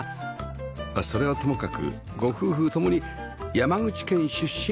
それはともかくご夫婦ともに山口県出身